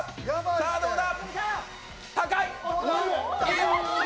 さあどうだ！